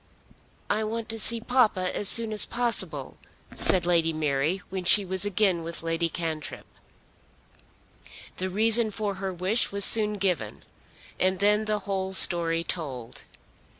"I want to see papa as soon as possible," said Lady Mary when she was again with Lady Cantrip. The reason for her wish was soon given, and then the whole story told.